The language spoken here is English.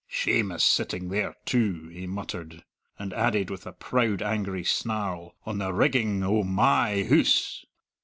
"Shame is sitting there too," he muttered, and added with a proud, angry snarl, "on the riggin' o' my hoose!"